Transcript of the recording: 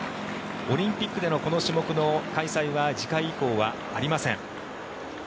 オリンピックでのこの種目の開催は次回以降はありません。